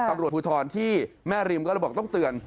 ตำรวจภูทรที่แม่ริมก็เลยบอกต้องเตือน